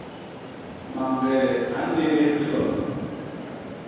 Mañgele a nnéñés bilolo.